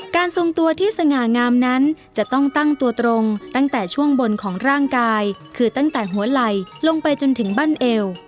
ทรงตัวที่สง่างามนั้นจะต้องตั้งตัวตรงตั้งแต่ช่วงบนของร่างกายคือตั้งแต่หัวไหล่ลงไปจนถึงบั้นเอว